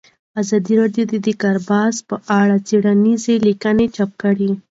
ازادي راډیو د د کار بازار په اړه څېړنیزې لیکنې چاپ کړي.